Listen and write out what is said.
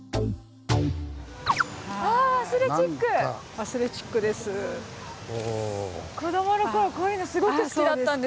アスレチックです。